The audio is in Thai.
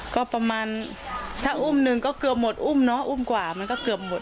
ก็ประมาณถ้าอุ้มหนึ่งก็เกือบหมดอุ้มเนาะอุ้มกว่ามันก็เกือบหมด